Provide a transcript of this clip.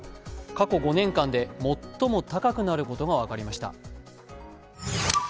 過去５年間で最も高くなることが分かりました。